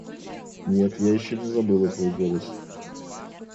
Нет, я еще не забыла твой голос.